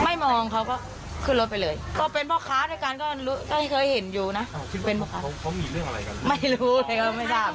ไม่รู้เลยครับไม่ทราบครับ